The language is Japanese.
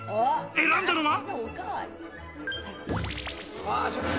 選んだのは。